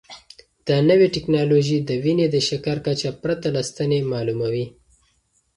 دا نوې ټیکنالوژي د وینې د شکر کچه پرته له ستنې معلوموي.